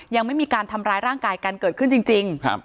ยังไม่มีการทำร้ายร่างกายกันเกิดขึ้นจริง